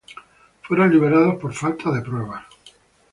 Fueron liberados por falta de pruebas.